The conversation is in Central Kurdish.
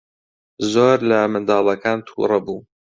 زۆر لە منداڵەکان تووڕە بوو.